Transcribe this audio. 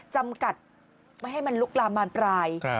จำกัดไม่ให้มันลุกลามมานปลาย